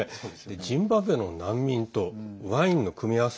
ジンバブエの難民とワインの組み合わせ。